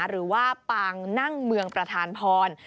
หรือว่าปางนั่งเมืองประธานพร